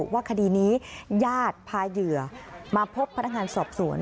ว่าคดีนี้ญาติพาเหยื่อมาพบพนักงานสอบสวน